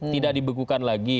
tidak dibekukan lagi